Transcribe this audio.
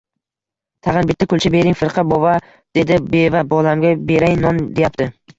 — Tag‘in bitta kulcha bering, firqa bova, — dedi beva. — Bolamga berayin, non deyapti...